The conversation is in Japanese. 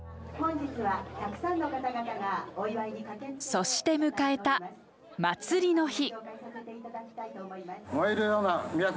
そして迎えた祭りの日。